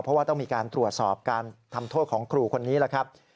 เพราะว่าต้องมีการตรวจสอบการทำโทษของครูคนนี้แหละครับ